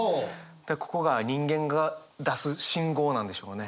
ここが人間が出す信号なんでしょうね。